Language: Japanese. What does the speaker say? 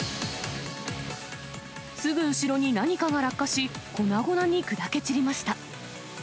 すぐ後ろに何かが落下し、粉々に砕け散りました。